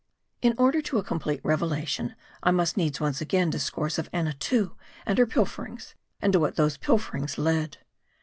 IN order to a complete revelation, I must needs once again discourse of Annatoo and her pilferings ; and to what those pilferings led.